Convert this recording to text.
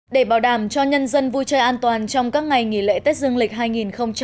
để bảo đảm cho nhân dân vui chơi an toàn trong các ngày nghỉ lễ tết dương lịch hai nghìn hai mươi